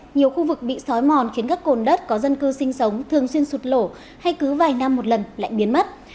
nhiều khu vực bị sói mòn khiến các cồn đất có dân cư sinh sống thường xuyên sụt lổ hay cứ vài năm một lần lại biến mất